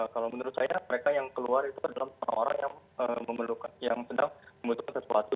kalau menurut saya mereka yang keluar itu adalah orang orang yang sedang membutuhkan sesuatu